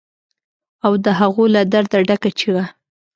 او د هغو له درده ډکه چیغه